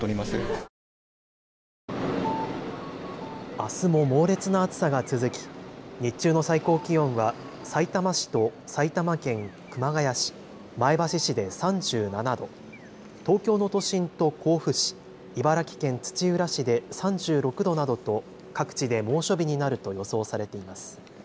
あすも猛烈な暑さが続き日中の最高気温はさいたま市と埼玉県熊谷市、前橋市で３７度、東京の都心と甲府市、茨城県土浦市で３６度などと各地で猛暑日になると予想されています。